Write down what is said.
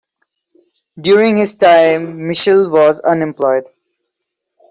During this time Mitchell was unemployed.